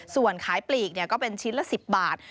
ส่วนขายปลีกก็เป็นชิ้นละ๑๐บาท